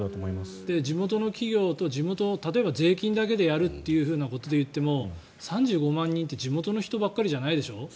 地元の企業と例えば、税金だけでやるといっても３５万人って地元の人ばかりじゃないでしょ。